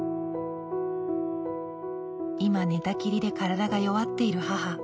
今寝たきりで体が弱っている母。